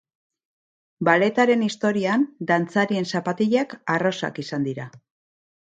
Balletaren historian, dantzarien zapatilak arrosak izan dira.